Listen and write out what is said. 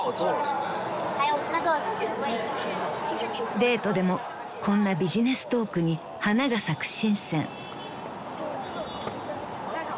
［デートでもこんなビジネストークに花が咲く深］